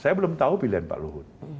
saya belum tahu pilihan pak luhut